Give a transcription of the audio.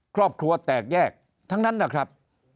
ครอบครัวแตกแยกทั้งนั้นนะครับ